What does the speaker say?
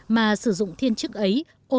mà sử dụng thiên chức ấy